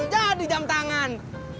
jadi jam tangan